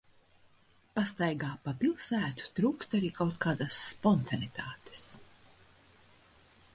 Pastaigā pa pilsētu trūkst arī kaut kādas spontanitātes.